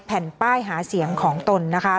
แผ่นป้ายหาเสียงของตนนะคะ